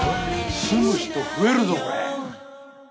住む人増えるぞこれ。